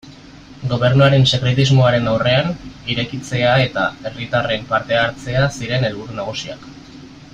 Gobernuaren sekretismoaren aurrean, irekitzea eta herritarren parte-hartzea ziren helburu nagusiak.